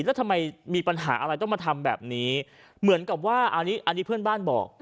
แล้วทำไมมีปัญหาอะไรต้องมาทำแบบนี้เหมือนกับว่าอันนี้อันนี้เพื่อนบ้านบอก